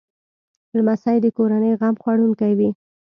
لمسی د کورنۍ غم خوړونکی وي.